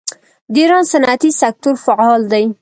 د ایران صنعتي سکتور فعال دی.